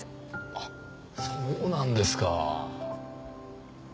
あっそうなんですか。